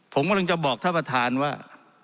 ผมกำลังจะบอกท่านประธานว่า